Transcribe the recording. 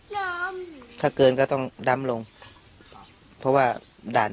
ก็อยู่ตรงเนินเนี่ยพร้อมให้เกินพี่อ้วนสำหรับพี่อ้วนเนี่ย